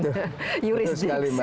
tugas mempertahankan kedaulatan